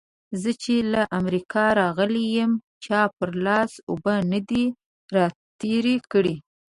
زه چې له امريکا راغلی يم؛ چا پر لاس اوبه نه دې راتېرې کړې.